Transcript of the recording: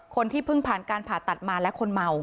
คนที่เพิ่งผ่านการผ่าตัดมาและคนเมา